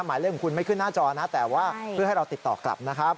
หมายเลขของคุณไม่ขึ้นหน้าจอนะแต่ว่าเพื่อให้เราติดต่อกลับนะครับ